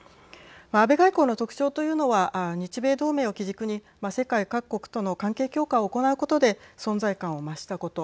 安倍外交の特徴というのは日米同盟を基軸に世界各国との関係強化を行うことで存在感を増したこと。